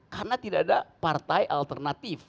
karena tidak ada partai alternatif